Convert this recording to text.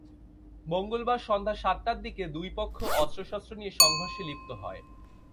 মঙ্গলবার সন্ধ্যা সাতটার দিকে দুই পক্ষ অস্ত্রশস্ত্র নিয়ে সংঘর্ষে লিপ্ত হয়।